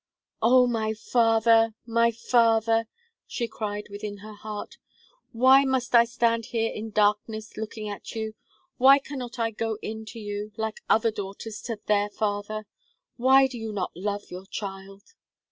"Oh! my father, my father!" she cried within her heart, "why must I stand here in darkness looking at you? why cannot I go in to you, like other daughters to their father? why do you not love your child?"